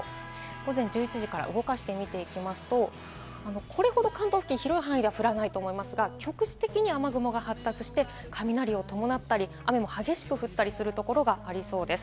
午前１１時から動かして見ていきますと、これほど関東付近、広い範囲には降らないと思うんですが、局地的に雨雲が発達して雷を伴ったり激しく降ったりするところがありそうです。